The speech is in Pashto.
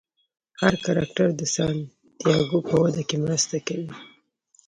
هر کرکټر د سانتیاګو په وده کې مرسته کوي.